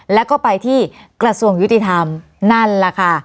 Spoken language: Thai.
แล้วก็ไปที่กระทรวงยุติธรรมนั่นแหละค่ะ